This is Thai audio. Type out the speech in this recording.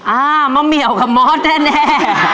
อ่ามะเหมียวกับมอสแน่